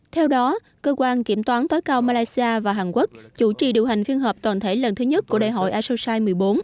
theo đó cơ quan kiểm toán tối cao malaysia và hàn quốc chủ trì điều hành phiên họp toàn thể lần thứ nhất của đại hội asosai một mươi bốn